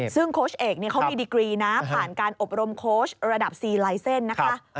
ซึ่งโค้ชเอกเขามีดีกรีนะผ่านการอบรมโค้ชระดับซีลายเซ็นต์นะคะ